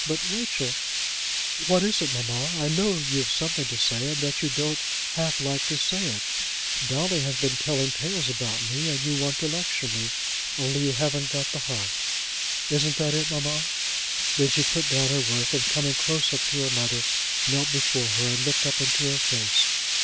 But, Rachel " "What is it, mamma? I know you've something to say, and that you don't half like to say it. Dolly has been telling tales about me, and you want to lecture me, only you haven't got the heart. Isn't that it, mamma?" Then she put down her work, and coming close up to her mother, knelt before her and looked up into her face.